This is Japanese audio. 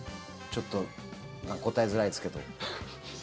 ちょっと答えづらいですけど。